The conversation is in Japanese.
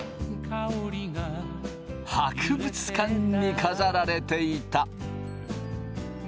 博物館に飾られていた。